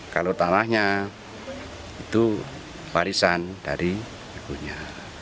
kalau tanahnya itu barisan dari ibunya